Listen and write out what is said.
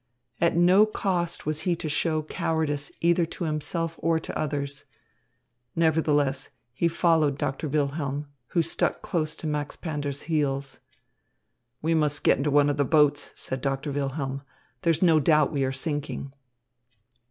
At no cost was he to show cowardice either to himself or to others. Nevertheless, he followed Doctor Wilhelm, who stuck close to Max Pander's heels. "We must get into one of the boats," said Doctor Wilhelm. "There's no doubt we are sinking."